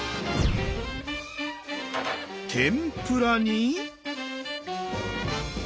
天ぷらに。